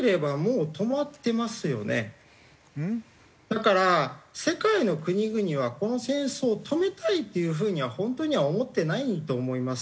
だから世界の国々はこの戦争を止めたいっていう風には本当には思ってないんだと思います。